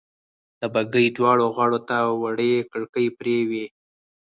د بګۍ دواړو غاړو ته وړې کړکۍ پرې وې.